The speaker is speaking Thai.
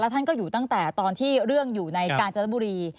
ท่านก็อยู่ตั้งแต่ตอนที่เรื่องอยู่ในกาญจนบุรี